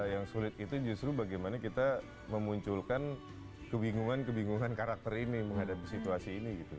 yang sulit itu justru bagaimana kita memunculkan kebingungan kebingungan karakter ini menghadapi situasi ini gitu